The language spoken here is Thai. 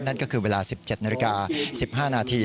นั่นก็คือเวลา๑๗น๑๕น